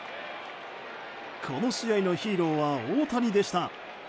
この試合のヒーローは大谷でした。